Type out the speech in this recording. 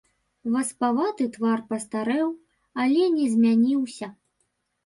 Васпаваты твар пастарэў, але не змяніўся.